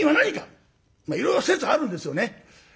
いろいろ説はあるんですよね。